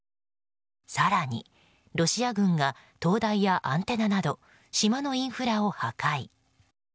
更に、ロシア軍が灯台やアンテナなど島のインフラを破壊。